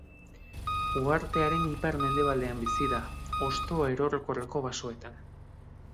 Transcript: Uhartearen ipar-mendebaldean bizi da, hosto erorkorreko basoetan.